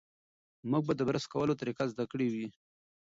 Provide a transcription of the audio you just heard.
موږ به د برس کولو طریقه زده کړې وي.